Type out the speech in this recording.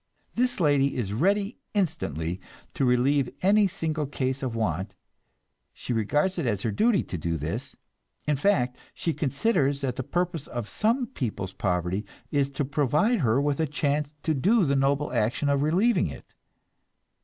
This lady is ready instantly to relieve any single case of want; she regards it as her duty to do this; in fact, she considers that the purpose of some people's poverty is to provide her with a chance to do the noble action of relieving it.